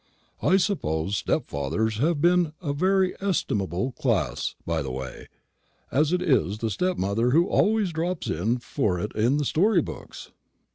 I suppose stepfathers have been a very estimable class, by the way, as it is the stepmother who always drops in for it in the story books.